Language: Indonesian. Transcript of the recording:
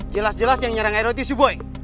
jelas jelas yang nyerang edo itu si boy